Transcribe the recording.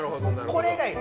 これがいい！